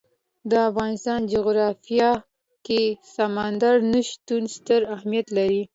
د افغانستان جغرافیه کې سمندر نه شتون ستر اهمیت لري.